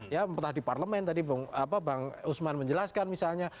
ya entah di parlemen tadi bang usman menjelaskan misalnya